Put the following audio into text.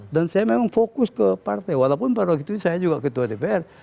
dan saya memang fokus ke partai walaupun pada waktu itu saya juga ketua dpr